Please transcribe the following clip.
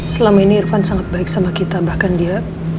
selama ini irfan sangat baik sama kita bahkan dia